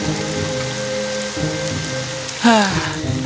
dia mencari perlindungan